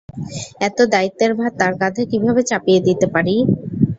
এত দায়িত্বের ভার তার কাধে কীভাবে চাপিয়ে দিতে পারি?